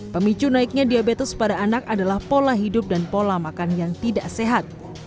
pemicu naiknya diabetes pada anak adalah pola hidup dan pola makan yang tidak sehat